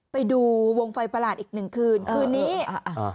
ไปดูวงไฟประหลาดอีกหนึ่งคืนคืนนี้อ่าอ่า